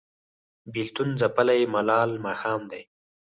بیلتون ځپلی ملال ماښام دی